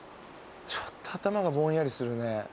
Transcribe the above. ちょっと頭がぼんやりするね。